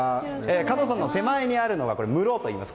加藤さんの手前にあるのはむろといいます。